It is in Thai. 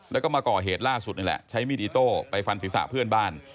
แล้วก็มาก่อเหตุล่าสุดนี่แหละใช้มีดอิโต้ไปฟันศีรษะเพื่อนบ้าน